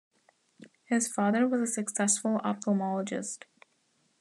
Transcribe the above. His father was a successful ophthalmologist.